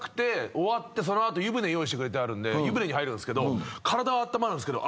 終わってその後湯船用意してくれてあるんで湯船に入るんすけど体はあったまるんですけど。